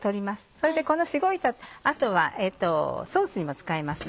それでこのしごいた後はソースにも使います。